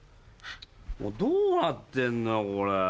どうなってんのよこれ。